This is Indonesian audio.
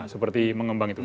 seperti mengembang itu